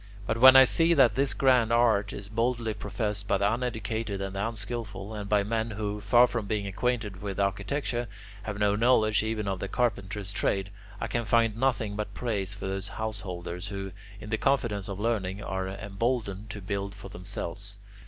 But when I see that this grand art is boldly professed by the uneducated and the unskilful, and by men who, far from being acquainted with architecture, have no knowledge even of the carpenter's trade, I can find nothing but praise for those householders who, in the confidence of learning, are emboldened to build for themselves.